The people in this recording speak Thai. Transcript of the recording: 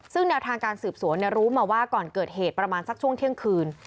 ซึ่งแนวทางการสืบสวนรู้มาว่าก่อนเกิดเหตุประมาณสักช่วงเที่ยงคืน